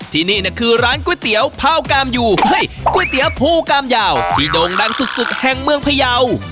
ที่นี่คือร้านก๋วยเตี๋ยวผ้ากามอยู่เฮ้ยก๋วยเตี๋ยวภูกามยาวที่โด่งดังสุดแห่งเมืองพยาว